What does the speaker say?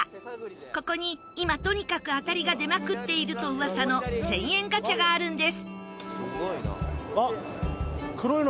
ここに今とにかく当たりが出まくっていると噂の１０００円ガチャがあるんです。